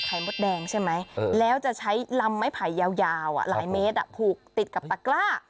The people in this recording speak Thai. ไขมดแดงใช่ไหมแล้วจะใช้ลำไพ่ยาวผูกติดกับตระกรา